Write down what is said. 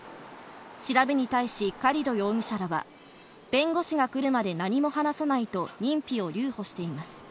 調べに対し、カリド容疑者らは、弁護士が来るまで何も話さないと、認否を留保しています。